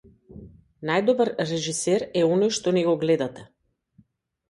Најдобар режисер е оној што не го гледате.